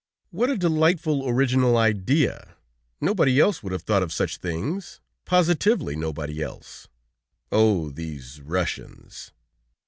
"What a delightful, original idea! Nobody else would have thought of such things! Positively, nobody else. Oh! these Russians!"